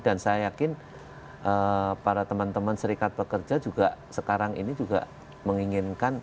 dan saya yakin para teman teman serikat pekerja juga sekarang ini juga menginginkan